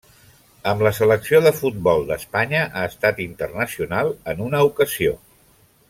Amb la selecció de futbol d'Espanya ha estat internacional en una ocasió.